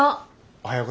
おはよう。